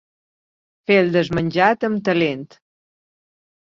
Fer el desmenjat amb talent.